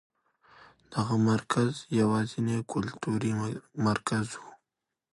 دغه مرکز یوازېنی کلتوري مرکز و.